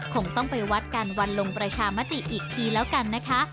คงต้องไปวัดกันวันลงประชามติอีกทีแล้วกันนะคะ